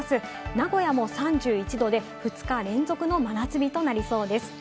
名古屋も３１度で２日連続の真夏日となりそうです。